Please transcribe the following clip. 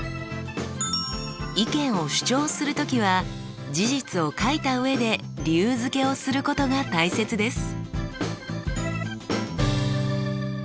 意見を主張する時は事実を書いた上で理由づけをすることが大切です。